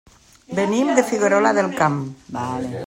Venim de Figuerola del Camp.